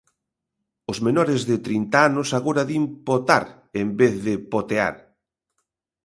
Os menores de trinta anos agora din potar en vez de potear.